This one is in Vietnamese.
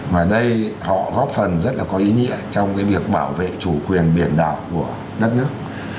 mà đây họ góp phần rất là có ý nghĩa trong cái việc bảo vệ chủ quyền biển đảo của đất nước